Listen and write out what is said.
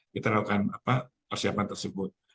kita lakukan persiapan tersebut